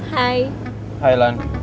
hai hai lan